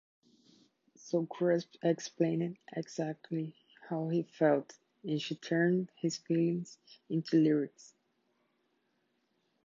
So Kruspe explained exactly how he felt and she turned his feelings into lyrics.